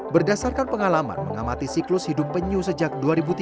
berdasarkan pengalaman mengamati siklus hidup penyu sejak dua ribu tiga belas